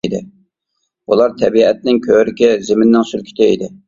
بۇلار تەبىئەتنىڭ كۆركى، زېمىننىڭ سۈلكىتى ئىدى.